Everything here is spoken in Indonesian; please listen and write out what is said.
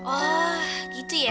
oh gitu ya